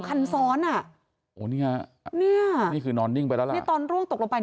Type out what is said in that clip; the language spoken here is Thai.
กระเด็นมาแล้วนะอันนี้กระเด็นนะพี่นี่สองไม่รู้เก่ง